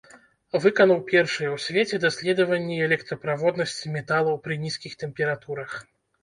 Выканаў першыя ў свеце даследаванні электраправоднасці металаў пры нізкіх тэмпературах.